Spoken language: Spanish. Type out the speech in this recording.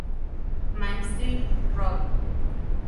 Mainstream Rock.